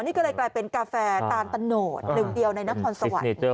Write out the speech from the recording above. นี่ก็เลยกลายเป็นกาแฟตานตะโนดหนึ่งเดียวในนครสวรรค์